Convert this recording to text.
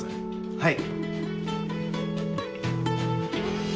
はい。